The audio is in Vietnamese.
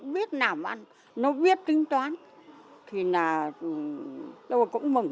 biết nằm ăn nó biết tính toán thì là tôi cũng mừng